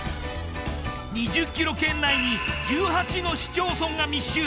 ２０ｋｍ圏内に１８の市町村が密集。